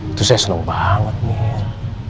itu saya seneng banget mir